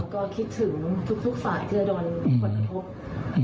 ก็คิดถึงทุกฝ่ายที่จะโดนผลกระทบ